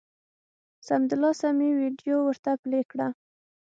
سمدلاسه مې ویډیو ورته پلې کړه